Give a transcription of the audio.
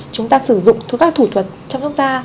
chúng ta sử dụng thuốc các thủ thuật chăm sóc da